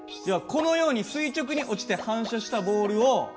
このように垂直に落ちて反射したボールを。